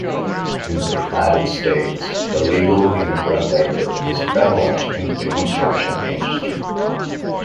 In the United States, illegal immigrant labor is prevalent in the construction industry.